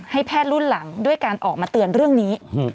ให้แพทย์รุ่นหลังด้วยการออกมาเตือนเรื่องนี้